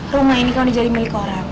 rumah ini kan jadi milik orang